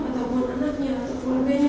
ataupun anaknya atau keluarganya